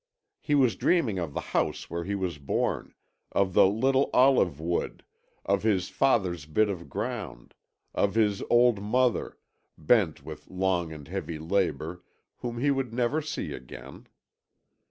He was dreaming of the house where he was born, of the little olive wood, of his father's bit of ground, of his old mother, bent with long and heavy labour, whom he would never see again.